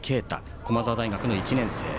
駒澤大学の１年生。